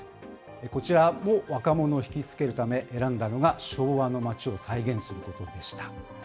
こちらも若者を引き付けるため、選んだのが昭和の街を再現することでした。